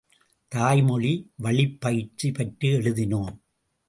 தாய்மொழி வழிப் பயிற்சி பற்றி எழுதினோம்.